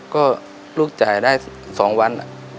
ก็ลูกจ่ายได้๒วัน